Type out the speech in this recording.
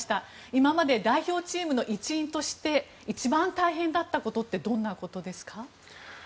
今まで代表チームの一員として一番大変だったことってどんなことですか？